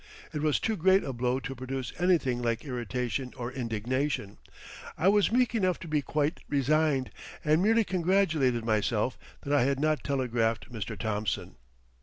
It was too great a blow to produce anything like irritation or indignation. I was meek enough to be quite resigned, and merely congratulated myself that I had not telegraphed Mr. Thomson.